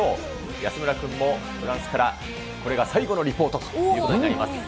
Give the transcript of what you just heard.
安村君もフランスから、これが最後のリポートということになります。